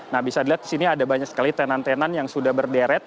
nah bisa dilihat di sini ada banyak sekali tenan tenan yang sudah berderet